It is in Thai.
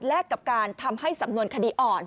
และกับการทำให้สำนวนคดีอ่อน